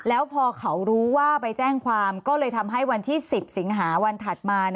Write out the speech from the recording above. แล้วพอเขารู้ว่าไปแจ้งความก็เลยทำให้วันที่๑๐สิงหาวันถัดมา